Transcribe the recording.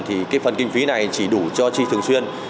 thì cái phần kinh phí này chỉ đủ cho chi thường xuyên